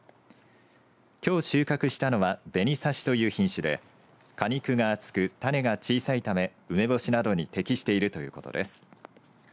きょう収穫したのは紅さしという品種で果肉が厚く、種が小さいため梅干しなどに適しているということです。